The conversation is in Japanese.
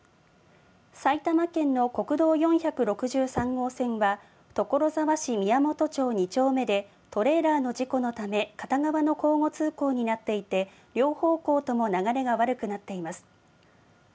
埼玉県の国道４６３号線は、所沢市みやもと町２丁目でトレーラーの事故のため、片側の交互通行になっていて、両方向とも流れが悪くなっています。